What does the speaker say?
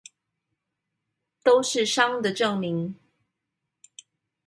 都是傷的證明